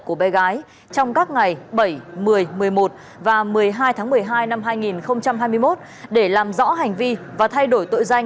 của bé gái trong các ngày bảy một mươi một mươi một và một mươi hai tháng một mươi hai năm hai nghìn hai mươi một để làm rõ hành vi và thay đổi tội danh